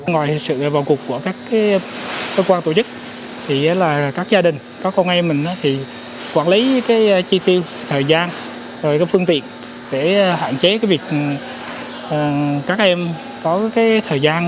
ngoài sự vào cuộc của các cơ quan tổ chức thì các gia đình có con em mình thì quản lý chi tiêu thời gian phương tiện để hạn chế việc các em có thời gian